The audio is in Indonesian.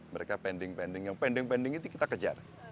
mereka pending pending yang pending pending itu kita kejar